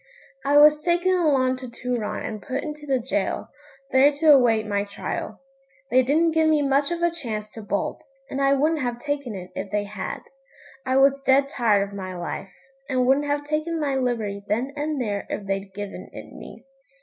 I was taken along to Turon and put into the gaol, there to await my trial. They didn't give me much of a chance to bolt, and I wouldn't have taken it if they had. I was dead tired of my life, and wouldn't have taken my liberty then and there if they'd given it me.